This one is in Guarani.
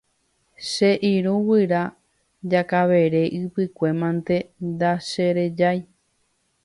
Che irũ guyra Jakavere Ypykue mante ndacherejái.